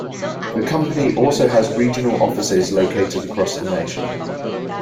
The company also has regional offices located across the nation.